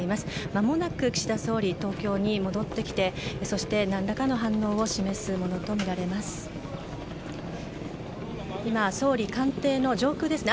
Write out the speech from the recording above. まもなく岸田総理東京に戻ってきてそして何らかの反応を示すものとみられます。